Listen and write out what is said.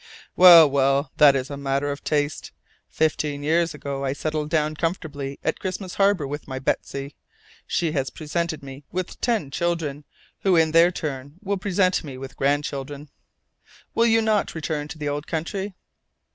"Well, well, that is a matter of taste. Fifteen years ago I settled down comfortably at Christmas Harbour with my Betsy; she has presented me with ten children, who in their turn will present me with grandchildren." "You will not return to the old country?"